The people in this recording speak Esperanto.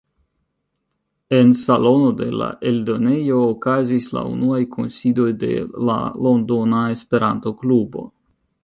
En salono de la eldonejo okazis la unuaj kunsidoj de la Londona Esperanto Klubo.